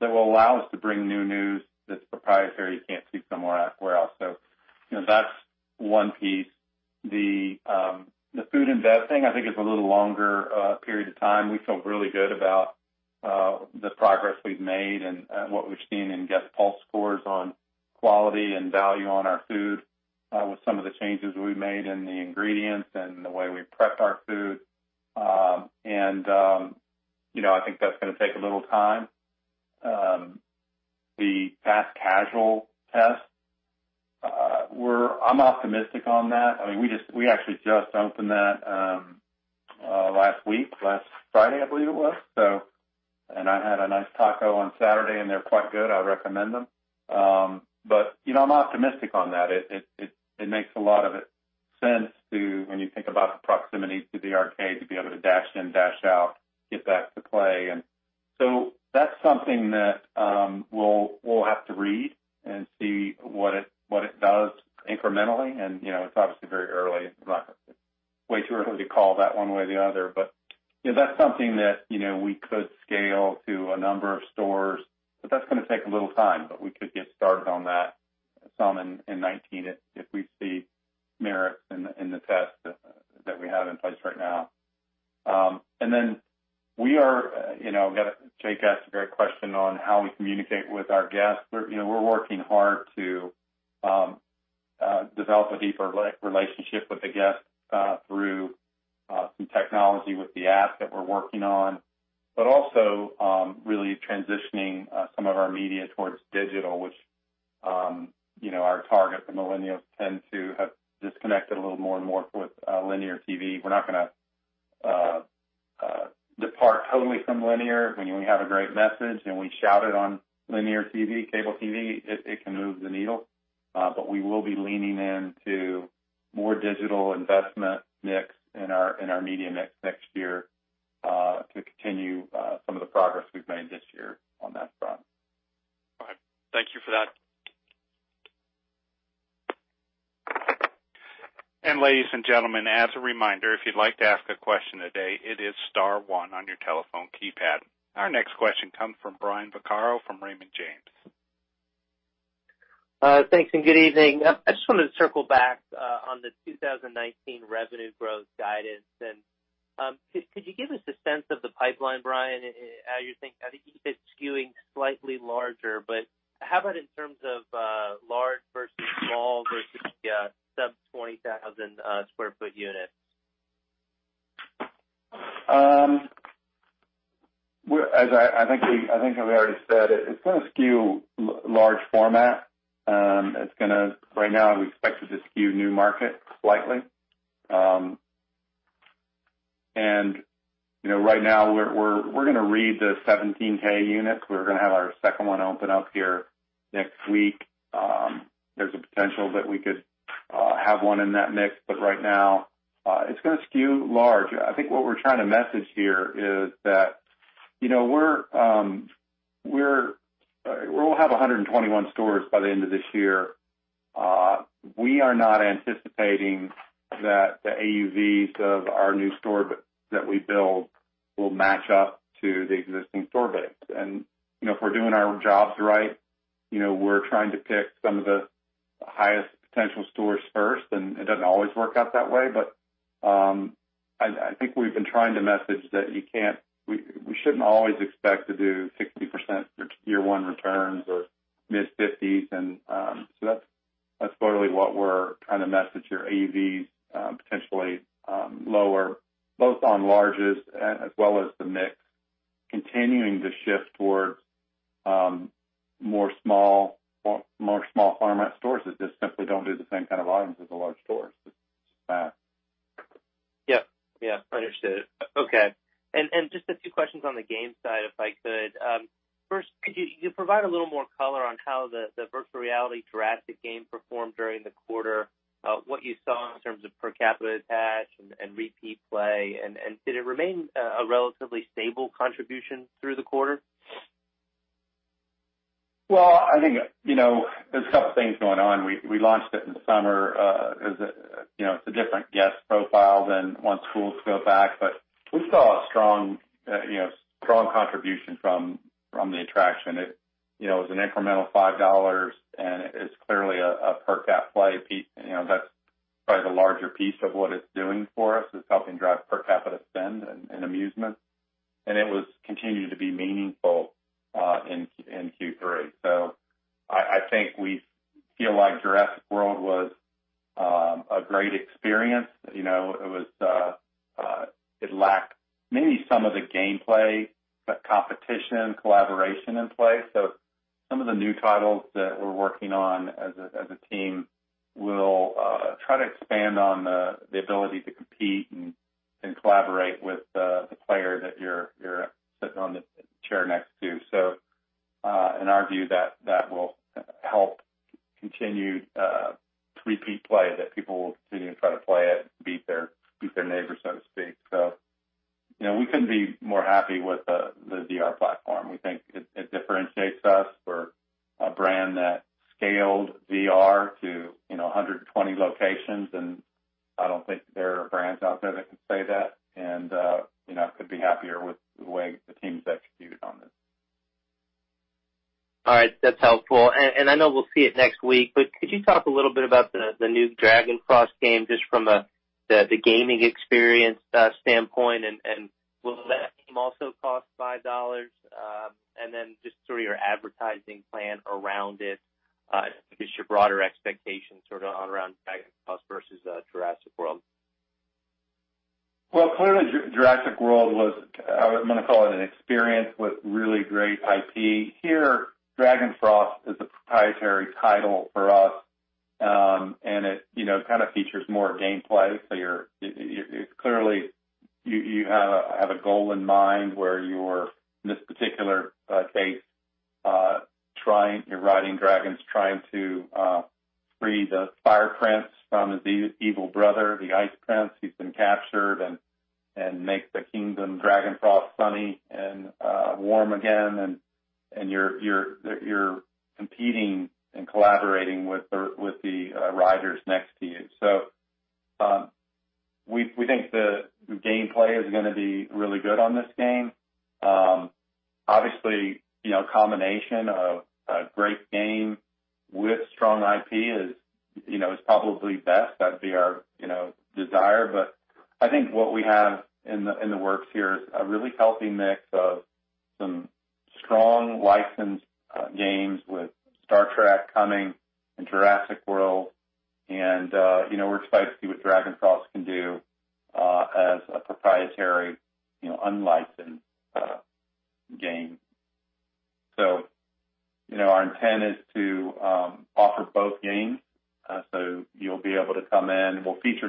that will allow us to bring new news that's proprietary you can't see somewhere else. That's one piece. The food investing, I think, is a little longer period of time. We feel really good about the progress we've made and what we've seen in guest pulse scores on quality and value on our food with some of the changes we've made in the ingredients and the way we prep our food. I think that's going to take a little time. The fast casual test, I'm optimistic on that. We actually just opened that last week, last Friday, I believe it was. I had a nice taco on Saturday, and they're quite good. I recommend them. I'm optimistic on that. It makes a lot of sense when you think about the proximity to the arcade to be able to dash in, dash out, get back to play. That's something that we'll have to read and see what it does incrementally. It's obviously very early. It's way too early to call that one way or the other. That's something that we could scale to a number of stores, but that's going to take a little time, but we could get started on that some in 2019 if we see merit in the test that we have in place right now. Jake asked a great question on how we communicate with our guests. We're working hard to develop a deeper relationship with the guests through some technology with the app that we're working on, but also really transitioning some of our media towards digital, which our target, the millennials, tend to have disconnected a little more and more with linear TV. We're not going to depart totally from linear. When we have a great message and we shout it on linear TV, cable TV, it can move the needle. We will be leaning into more digital investment mix in our media mix next year, to continue some of the progress we've made this year on that front. All right. Thank you for that. Ladies and gentlemen, as a reminder, if you'd like to ask a question today, it is star one on your telephone keypad. Our next question comes from Brian Vaccaro from Raymond James. Thanks, good evening. I just wanted to circle back on the 2019 revenue growth guidance. Could you give us a sense of the pipeline, Brian, as you think I think you said skewing slightly larger, but how about in terms of large versus small versus sub 20,000 sq ft units? I think I've already said, it's going to skew large format. Right now we expect it to skew new market slightly. Right now we're going to read the 17K units. We're going to have our second one open up here next week. There's a potential that we could have one in that mix, but right now, it's going to skew large. I think what we're trying to message here is that we'll have 121 stores by the end of this year. We are not anticipating that the AUVs of our new store that we build will match up to the existing store base. If we're doing our jobs right, we're trying to pick some of the highest potential stores first, and it doesn't always work out that way. I think we've been trying to message that we shouldn't always expect to do 60% year one returns or mid-50s. That's totally what we're trying to message here. AUVs, potentially lower both on larges as well as the mix continuing to shift towards more small format stores that just simply don't do the same kind of volumes as a large store. It's just math. Yep. Understood. Okay. Just a few questions on the game side, if I could. First, could you provide a little more color on how the virtual reality Jurassic game performed during the quarter, what you saw in terms of per capita attach and repeat play? Did it remain a relatively stable contribution through the quarter? Well, I think, there's a couple of things going on. We launched it in the summer. It's a different guest profile than once schools go back. We saw a strong contribution from the attraction. It was an incremental $5, and it is clearly a per cap play piece. That's probably the larger piece of what it's doing for us, is helping drive per capita spend and amusement. It was continuing to be meaningful in Q3. I think we feel like Jurassic World was a great experience. It lacked maybe some of the gameplay, competition, collaboration in play. Some of the new titles that we're working on as a team will try to expand on the ability to compete and collaborate with the player that you're sitting on the chair next to. In our view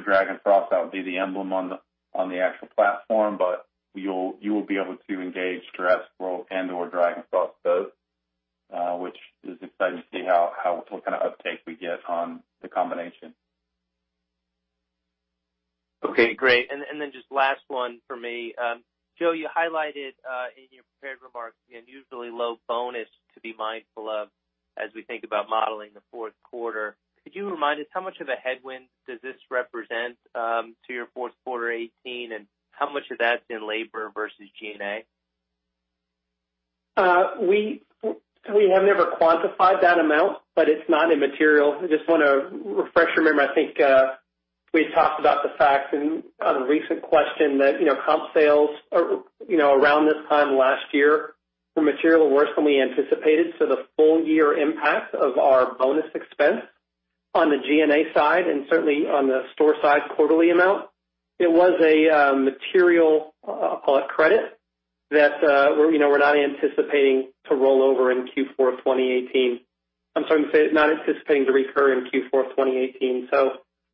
Jurassic World and we're excited to see what Dragonfrost can do, as a proprietary, unlicensed game. Our intent is to offer both games. You'll be able to come in. We'll feature Dragonfrost. That will be the emblem on the actual platform. You will be able to engage Jurassic World and/or Dragonfrost, both. Which is exciting to see what kind of uptake we get on the combination. Okay, great. Just last one for me. Joe, you highlighted in your prepared remarks the unusually low bonus to be mindful of as we think about modeling the fourth quarter. Could you remind us how much of a headwind does this represent to your fourth quarter 2018, and how much of that's in labor versus G&A? We have never quantified that amount, but it's not immaterial. I just want to refresh your memory. I think we had talked about the fact on a recent question that comp sales around this time last year were materially worse than we anticipated. The full year impact of our bonus expense on the G&A side and certainly on the store side quarterly amount, it was a material, I'll call it credit, that we're not anticipating to roll over in Q4 2018. I'm sorry, I'm saying not anticipating to recur in Q4 2018.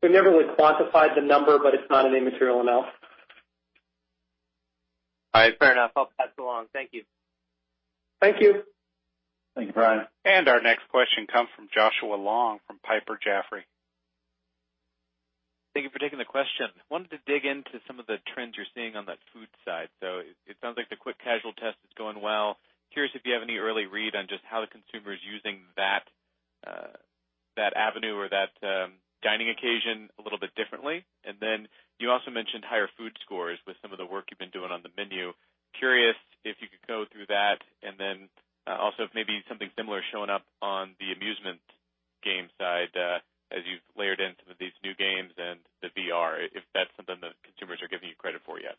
We've never really quantified the number, but it's not an immaterial amount. All right. Fair enough. I'll pass it along. Thank you. Thank you. Thank you, Brian. Our next question comes from Joshua Long from Piper Jaffray. Thank you for taking the question. Wanted to dig into some of the trends you're seeing on that food side. It sounds like the quick casual test is going well. Curious if you have any early read on just how the consumer is using that avenue or that dining occasion a little bit differently. You also mentioned higher food scores with some of the work you've been doing on the menu. Curious if you could go through that, and also if maybe something similar is showing up on the amusement game side as you've layered in some of these new games and the VR, if that's something that consumers are giving you credit for yet.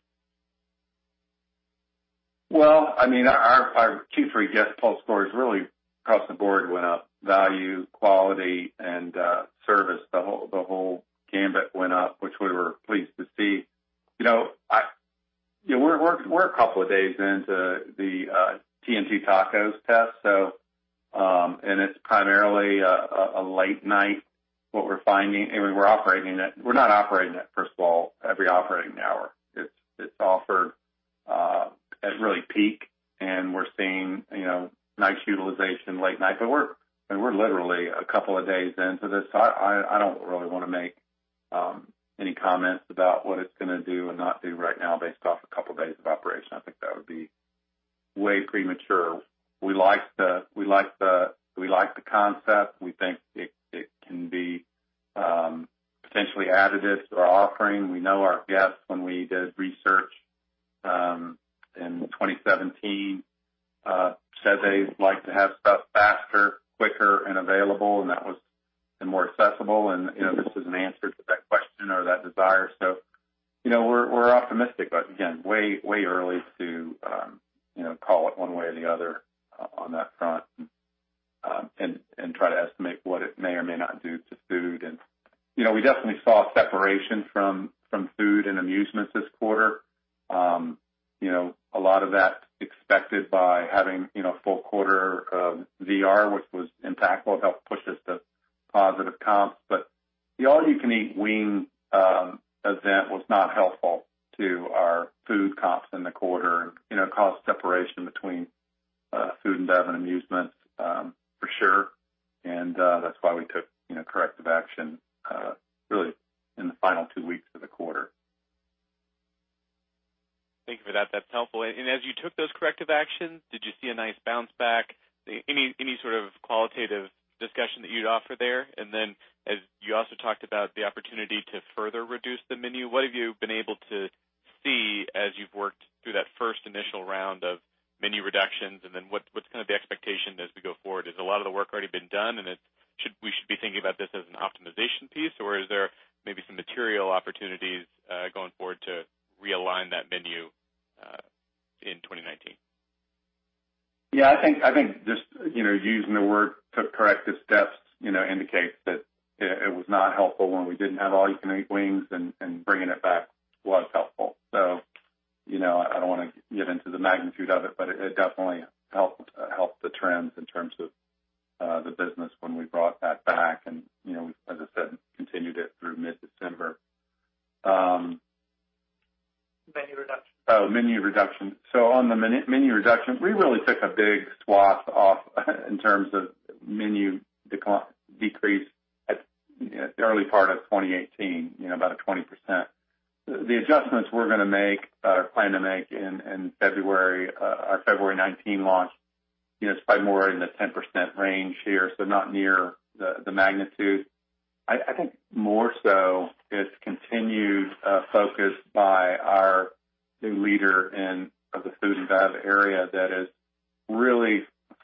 Our Q3 guest poll scores really across the board went up. Value, quality, and service, the whole gamut went up, which we were pleased to see. We're a couple of days into the TNT Tacos test. It's primarily a late night what we're finding, and we're operating it. We're not operating it, first of all, every operating hour. It's offered at really peak, and we're seeing nice utilization late night. We're literally a couple of days into this. I don't really want to make any comments about what it's going to do or not do right now based off a couple of days of operation. I think that would be way premature. We like the concept. We think it can be potentially additive to our offering. We know our guests, when we did research in 2017, said they like to have stuff faster, quicker, and available, and that was more accessible. This is an answer to that question or that desire. We're optimistic, but again, way early to call it one way or the other on that front and try to estimate what it may or may not do to food. We definitely saw a separation from food and amusements this quarter. A lot of that expected by having full quarter of VR, which was impactful. It helped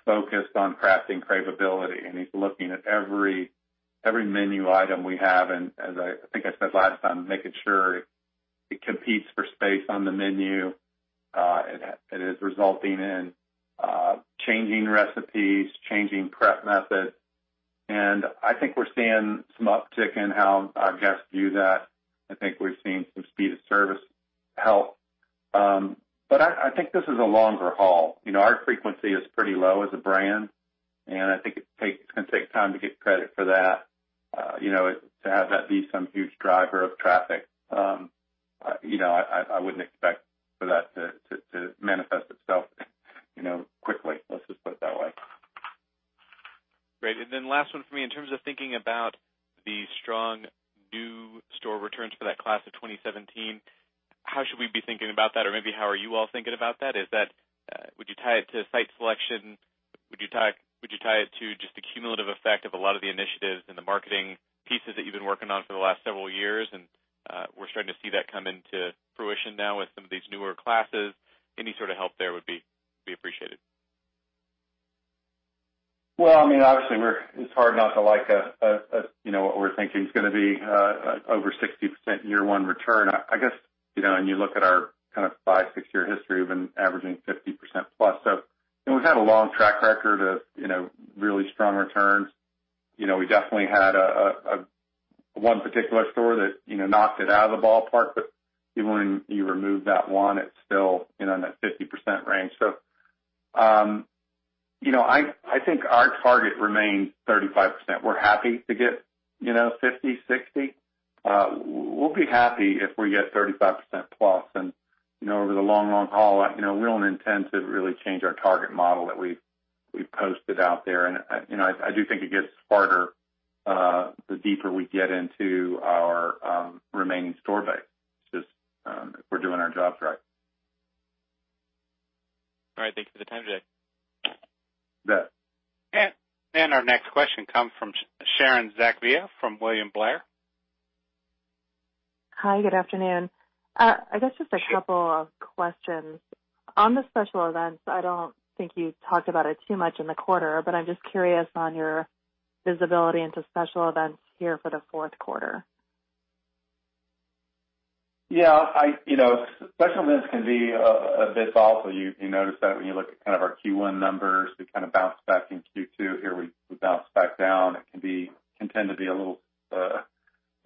focused on crafting cravability, He's looking at every menu item we have, as I think I said last time, making sure it competes for space on the menu. It is resulting in changing recipes, changing prep methods, I think we're seeing some uptick in how our guests view that. I think we're seeing some speed of service help. I think this is a longer haul. Our frequency is pretty low as a brand. I think it's going to take time to get credit for that. To have that be some huge driver of traffic. I wouldn't expect for that to manifest itself quickly. Let's just put it that way. Great. Last one for me. In terms of thinking about the strong new store returns for that class of 2017, how should we be thinking about that? Maybe how are you all thinking about that? Would you tie it to site selection? Would you tie it to just the cumulative effect of a lot of the initiatives and the marketing pieces that you've been working on for the last several years, we're starting to see that come into fruition now with some of these newer classes? Any sort of help there would be appreciated. Well, obviously, it's hard not to like what we're thinking is going to be over 60% year-one return. I guess, when you look at our kind of five, six-year history, we've been averaging 50%+. We've had a long track record of really strong returns. We definitely had one particular store that knocked it out of the ballpark, but even when you remove that one, it's still in that 50% range. I think our target remains 35%. We're happy to get 50%, 60%. We'll be happy if we get 35%+. Over the long, long haul, we don't intend to really change our target model that we've posted out there. I do think it gets harder the deeper we get into our remaining store base, if we're doing our jobs right. All right. Thank you for the time today. You bet. Our next question comes from Sharon Zackfia from William Blair. Hi, good afternoon. I guess just a couple of questions. On the special events, I don't think you talked about it too much in the quarter, but I'm just curious on your visibility into special events here for the fourth quarter. Yeah. Special events can be a bit volatile. You notice that when you look at kind of our Q1 numbers, we kind of bounced back in Q2. Here we bounced back down. It can tend to be a little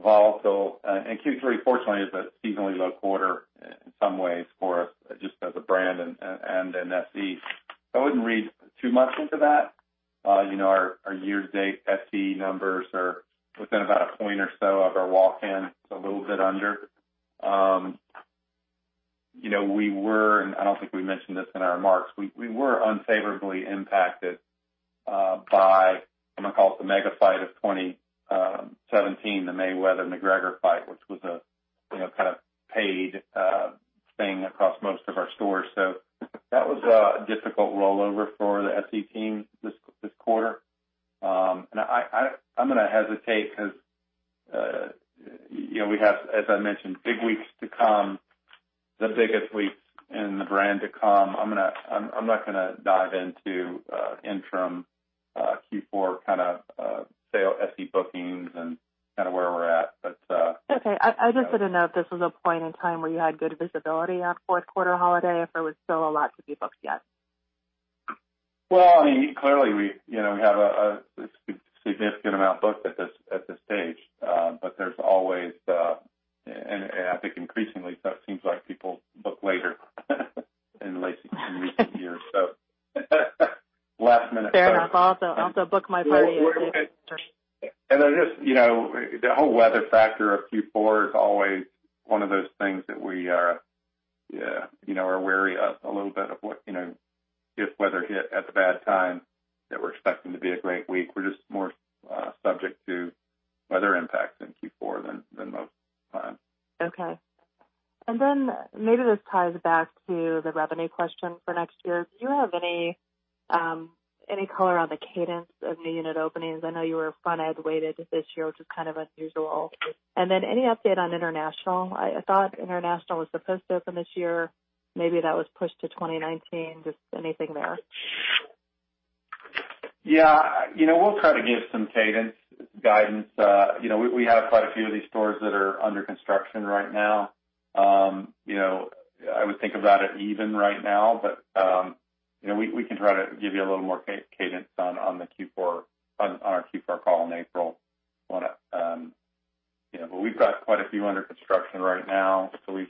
volatile. Q3 fortunately is a seasonally low quarter in some ways for us just as a brand and in SE. I wouldn't read too much into that. Our year-to-date SE numbers are within about a point or so of our walk-in, so a little bit under. We were, and I don't think we mentioned this in our remarks, we were unfavorably impacted by, I'm going to call it the mega fight of 2017, the Mayweather-McGregor fight, which was a kind of paid thing across most of our stores. That was a difficult rollover for the SE team this quarter. I'm going to hesitate because we have, as I mentioned, big weeks to come, the biggest weeks in the brand to come. I'm not going to dive into interim Q4 kind of sale, SE bookings and kind of where we're at. Okay. I just didn't know if this was a point in time where you had good visibility on fourth quarter holiday, if there was still a lot to be booked yet. Well, clearly, we have a significant amount booked at this stage. There's always, and I think increasingly so, it seems like people book later in recent years. Last minute. Fair enough. Also book my party at Dave & Buster's. The whole weather factor of Q4 is always one of those things that we are wary of a little bit of what if weather hit at the bad time that we're expecting to be a great week. We're just more subject to weather impacts in Q4 than most times. Okay. Maybe this ties back to the revenue question for next year. Do you have any color on the cadence of new unit openings? I know you were front-end weighted this year, which is kind of unusual. Any update on international? I thought international was supposed to open this year. Maybe that was pushed to 2019. Just anything there. Yeah. We'll try to give some cadence guidance. We have quite a few of these stores that are under construction right now. I would think about it even right now, but we can try to give you a little more cadence on our Q4 call in April on it. We've got quite a few under construction right now, so we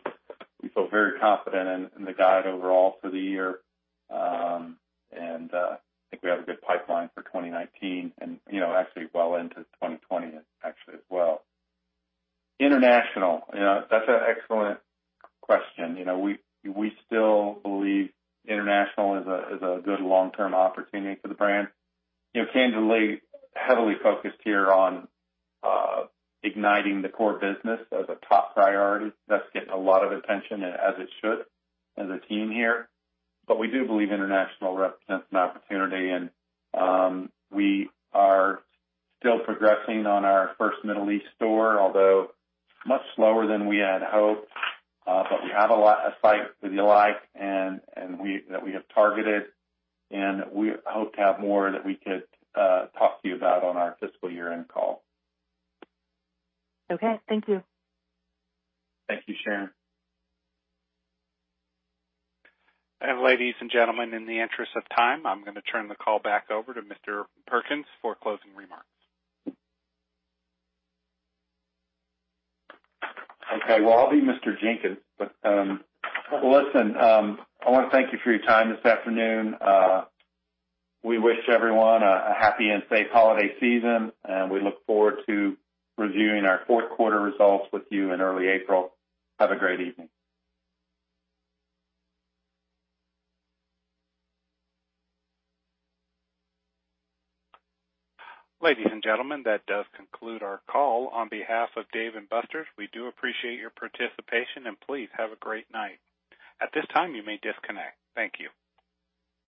feel very confident in the guide overall for the year. I think we have a good pipeline for 2019 and actually well into 2020 actually as well. International. That's an excellent question. We still believe international is a good long-term opportunity for the brand. [audio distortion] heavily focused here on igniting the core business as a top priority. That's getting a lot of attention, as it should, as a team here. We do believe international represents an opportunity, and we are still progressing on our first Middle East store, although much slower than we had hoped. We have a site that we like and that we have targeted, and we hope to have more that we could talk to you about on our fiscal year-end call. Okay. Thank you. Thank you, Sharon. Ladies and gentlemen, in the interest of time, I'm going to turn the call back over to Mr. Jenkins for closing remarks. Okay. Well, I'll be Mr. Jenkins. Listen, I want to thank you for your time this afternoon. We wish everyone a happy and safe holiday season, and we look forward to reviewing our fourth quarter results with you in early April. Have a great evening. Ladies and gentlemen, that does conclude our call. On behalf of Dave & Buster's, we do appreciate your participation, and please have a great night. At this time, you may disconnect. Thank you.